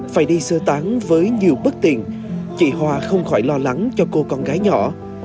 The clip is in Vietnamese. phải đi sơ tán với nhiều bất tiện chị hòa không khỏi lo lắng cho cô con gái nhỏ